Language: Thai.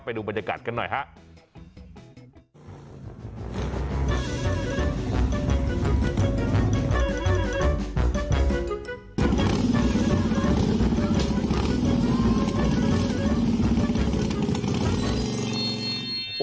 ไปดูบรรยากาศกันหน่อยครับ